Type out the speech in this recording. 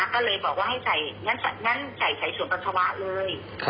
ก็เลยบอกว่าให้งั้นใส่ส่วนปัสสาวะเลย